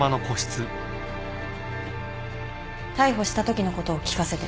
逮捕したときのことを聞かせて。